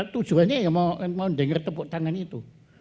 tujuannya ya mau denger tepuk tangan itu